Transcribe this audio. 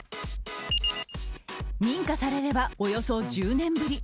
認可されればおよそ１０年ぶり。